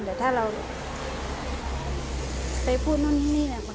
แต่ถ้าเราไปพูดนู่นนี่นี่เนี่ย